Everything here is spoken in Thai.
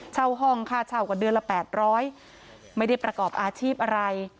เช่าห้องค่าเช่าก็เดือนละ๘๐๐ไม่ได้ประกอบอาชีพอะไร